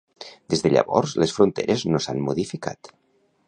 Des de llavors les fronteres no s'han modificat.